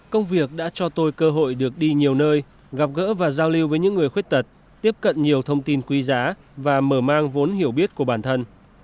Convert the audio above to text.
công việc đã cho tôi cơ hội được đi nhiều nơi gặp gỡ và giao lưu với những người khuyết tật tiếp cận nhiều thông tin quý giá và mở mang vốn hiểu biết của bản thân